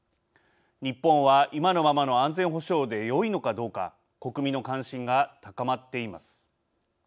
日本は、今のままの安全保障でよいのかどうか国民の関心が高まっています。